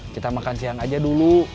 kita makan siang aja dulu